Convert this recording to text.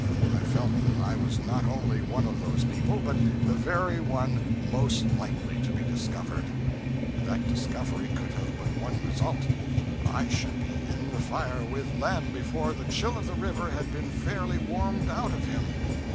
I felt that I was not only one of those people, but the very one most likely to be discovered. That discovery could have but one result: I should be in the fire with Lem before the chill of the river had been fairly warmed out of him.